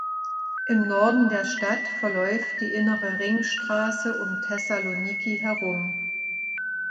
Im Norden der Stadt verläuft die innere Ringstraße um Thessaloniki herum.